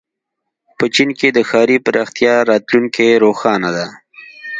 په چین کې د ښاري پراختیا راتلونکې روښانه ده.